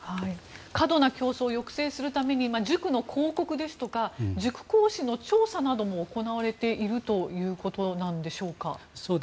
過度な競争を抑制するために、塾の広告や塾講師の調査なども行われているということなんでしょうか。